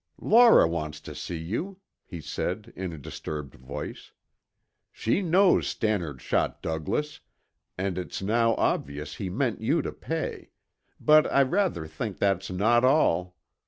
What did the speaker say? "Laura wants to see you," he said in a disturbed voice. "She knows Stannard shot Douglas, and it's now obvious he meant you to pay; but I rather think that's not all.